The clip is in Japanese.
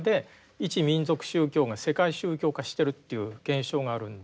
一民族宗教が世界宗教化しているという現象があるので。